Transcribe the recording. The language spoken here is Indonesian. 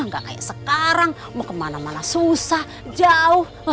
nggak kayak sekarang mau kemana mana susah jauh